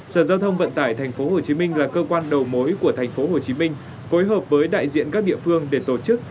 sở giao thông vận tải tp hcm là cơ quan đầu mối của tp hcm phối hợp với đại diện các địa phương để tổ chức